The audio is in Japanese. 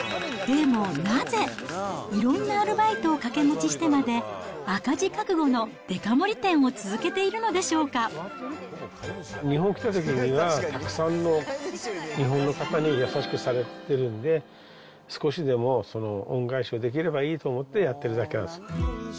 でもなぜ、いろんなアルバイトを掛け持ちしてまで、赤字覚悟のデカ盛り店を日本来たときには、たくさんの日本の方に優しくされてるんで、少しでもその恩返しができればいいと思って、やってるだけなんです。